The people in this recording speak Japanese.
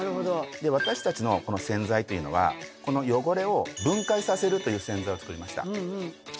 で私たちのこの洗剤というのはこの汚れを分解させるという洗剤を作りました。